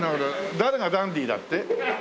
誰がダンディーだって？